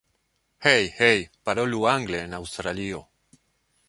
Hej! Hej! Parolu angle en Aŭstralio!